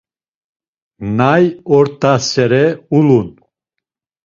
Nay ort̆asere ulun?